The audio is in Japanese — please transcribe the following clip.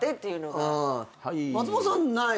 松本さんない？